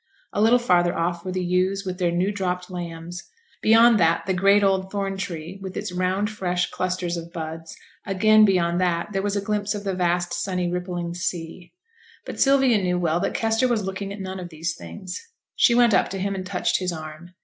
A little farther off were the ewes with their new dropped lambs, beyond that the great old thorn tree with its round fresh clusters of buds, again beyond that there was a glimpse of the vast sunny rippling sea; but Sylvia knew well that Kester was looking at none of these things. She went up to him and touched his arm.